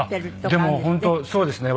でも本当そうですね。